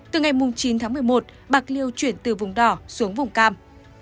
từ ngày chín tháng một mươi một bạc liêu chuyển từ vùng đỏ xuống vùng cam